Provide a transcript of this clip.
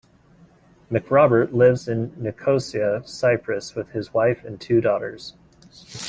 McRobert lives in Nicosia, Cyprus with his wife and two daughters.